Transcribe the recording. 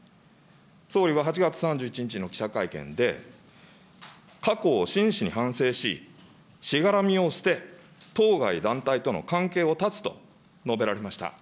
総理は８月３１日の記者会見で、過去を真摯に反省し、しがらみを捨て、当該団体との関係を断つと述べられました。